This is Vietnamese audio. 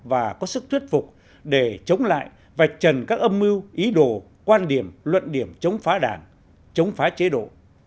và có sức thuyết phục để chống lại và trần các âm mưu ý đồ quan điểm luận điểm chống phá đảng chống phá chế độ